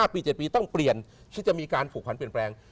ปี๗ปีต้องเปลี่ยนที่จะมีการผูกพันเปลี่ยนแปลง